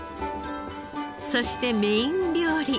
そしてメイン料理。